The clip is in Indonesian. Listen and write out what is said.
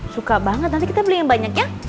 suka banget nanti kita beli yang banyak ya